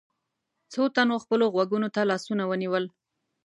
څو تنو خپلو غوږونو ته لاسونه ونيول.